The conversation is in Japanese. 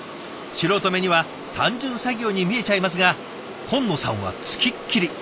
素人目には単純作業に見えちゃいますが金野さんは付きっきり。